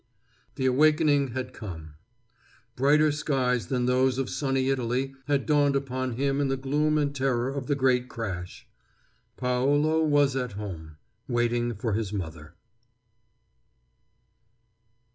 The awakening had come. Brighter skies than those of sunny Italy had dawned upon him in the gloom and terror of the great crash. Paolo was at home, waiting for his mother.